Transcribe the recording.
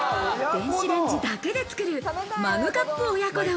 電子レンジだけで作るマグカップ親子丼。